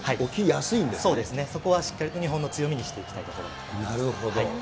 そこはしっかり、日本の強みにしていきたいところだと思います。